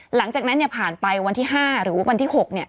หลังจากนั้นเนี้ยผ่านไปวันที่ห้าหรือว่าวันที่หกเนี้ย